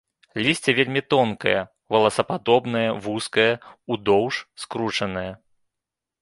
Лісце вельмі тонкае, воласападобнае, вузкае, удоўж скручанае.